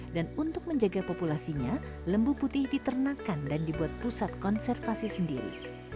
dan untuk menjaga populasinya lembu putih diternakan dan dibuat pusat konservasi sendiri